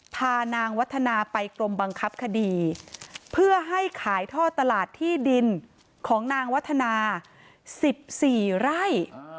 พานางวัฒนาไปกรมบังคับคดีเพื่อให้ขายท่อตลาดที่ดินของนางวัฒนา๑๔ไร่